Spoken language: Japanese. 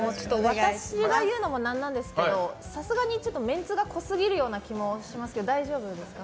私が言うのもなんなんですがさすがにメンツが濃すぎるような気もするんですが大丈夫ですか？